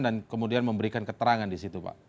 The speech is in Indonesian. dan kemudian memberikan keterangan di situ pak